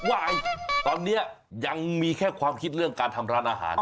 ตอนนี้ยังมีแค่ความคิดเรื่องการทำร้านอาหาร